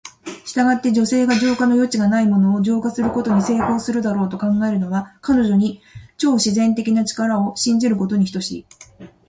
したがって、女性が浄化の余地がないものを浄化することに成功するだろうと考えるのは、彼女に超自然的な力を信じることに等しい。